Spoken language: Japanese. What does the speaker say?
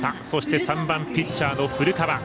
そして３番、ピッチャーの古川。